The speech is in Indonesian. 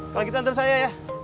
kalau gitu nanti saya ya